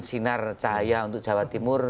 sinar cahaya untuk jawa timur